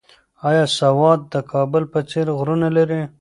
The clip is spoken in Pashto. ایا سوات د کابل په څېر غرونه لري؟